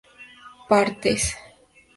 partes